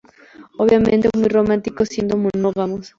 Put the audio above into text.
Obviamente muy románticos, siendo monógamos".